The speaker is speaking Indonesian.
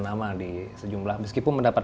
nama di sejumlah meskipun mendapat